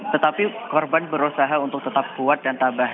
tetapi korban berusaha untuk tetap kuat dan tabah